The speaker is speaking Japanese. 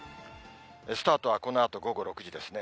スタートはこのあと午後６時ですね。